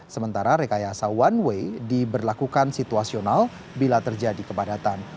sementara rekayasa one way diberlakukan situasional bila terjadi kepadatan